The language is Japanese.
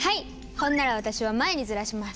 ほんなら私は前にずらします！